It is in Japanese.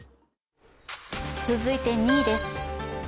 続いて２位です。